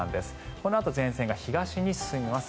このあと前線が東に進みます。